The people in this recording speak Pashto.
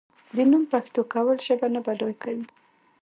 د نوم پښتو کول ژبه نه بډای کوي.